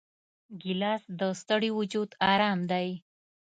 ګیلاس د ستړي وجود آرام دی.